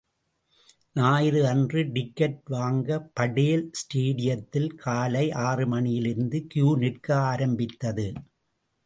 ஞாயிறு அன்று டிக்கட் வாங்க படேல் ஸ்டேடியத்தில் காலை ஆறு மணியிலிருந்து கியூ நிற்க ஆரம்பித்தது.